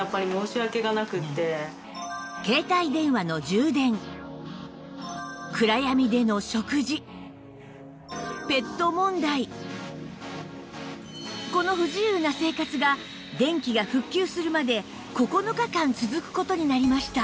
実際にそうさらにしかもこの不自由な生活が電気が復旧するまで９日間続く事になりました